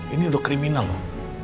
ini udah kriminal loh